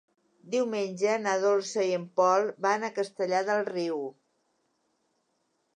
Diumenge na Dolça i en Pol van a Castellar del Riu.